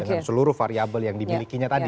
dengan seluruh variable yang dimilikinya tadi